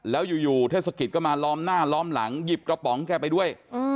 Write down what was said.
แล้วอยู่เทศกิจก็มาล้อมหน้าล้อมหลังหยิบกระป๋องแกไปด้วย